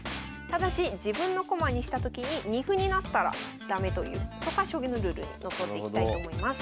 ただし自分の駒にしたときに二歩になったら駄目というそこは将棋のルールにのっとっていきたいと思います。